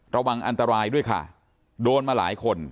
ระวังอันตรายด้วยค่ะโดนมาหลายคน